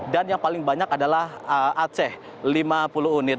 dan yang paling banyak adalah aceh lima puluh unit